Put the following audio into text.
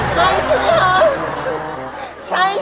ใช่ใช่มั้ยคะ